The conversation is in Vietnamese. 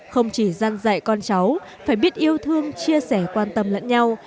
không chỉ gian dạy con cháu phải biết yêu thương chia sẻ quan tâm lẫn nhau